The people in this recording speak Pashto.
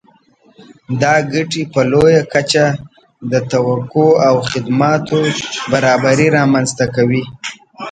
دا ګټې په لویه کچه د توکو او خدماتو برابري رامنځته کوي